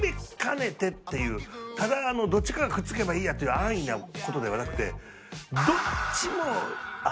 ただどっちかがくっつけばいいやっていう安易な事ではなくて。